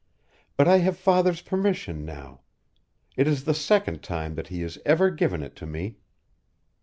But I have father's permission now. It is the second time that he has ever given it to me."